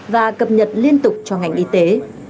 và cập nhật liên tục cho ngành y tế